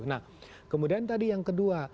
nah kemudian tadi yang kedua